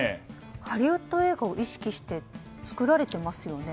ハリウッド映画を意識して作られていますよね。